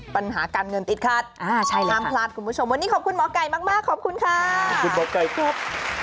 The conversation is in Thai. ปัญหาการเงินติดขัดห้ามพลาดคุณผู้ชมวันนี้ขอบคุณหมอไก่มากขอบคุณค่ะขอบคุณหมอไก่ครับ